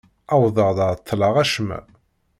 Wwḍeɣ-d εeṭṭleɣ acemma.